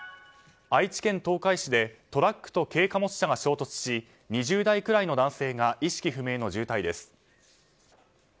愛知県東海市でトラックと軽貨物車が衝突し２０代くらいの男性が意識不明の重体です。